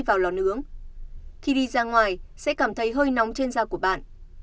vào lò nướng khi đi ra ngoài sẽ cảm thấy hơi nóng trên da của bạn